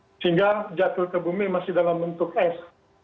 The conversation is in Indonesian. sehingga jatuh ke bumi masih dalam bentuk es